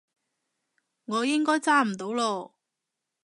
我應該揸唔到嚕